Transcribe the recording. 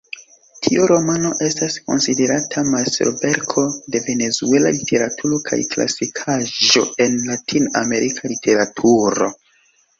Tiu romano estas konsiderata majstroverko de venezuela literaturo kaj klasikaĵo en Latin-Amerika literaturo.